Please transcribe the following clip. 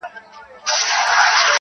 چي دي غوښتل هغه تللي دي له وخته-